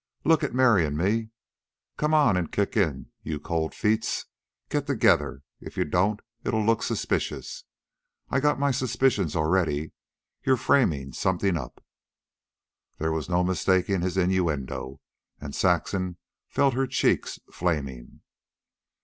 Look at Mary an' me. Come on an' kick in, you cold feets. Get together. If you don't, it'll look suspicious. I got my suspicions already. You're framin' somethin' up." There was no mistaking his innuendo, and Saxon felt her cheeks flaming.